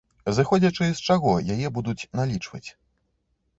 Зыходзячы з чаго яе будуць налічваць?